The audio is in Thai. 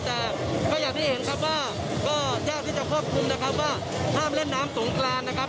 แต่ก็อย่างที่เห็นครับว่าก็ยากที่จะครอบคลุมนะครับว่าห้ามเล่นน้ำสงกรานนะครับ